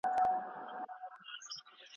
نن هغه سالار د بل په پښو كي پروت دئ